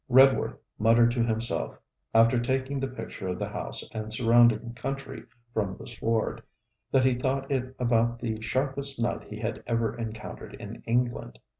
Redworth muttered to himself, after taking the picture of the house and surrounding country from the sward, that he thought it about the sharpest night he had ever encountered in England.